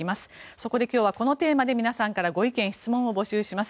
そこで今日はこのテーマで皆さんからご意見・質問を募集します。